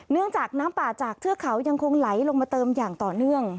เนื่องจากน้ำป่าจากเทือกเขายังคงไหลลงมาเติมอย่างต่อเนื่อง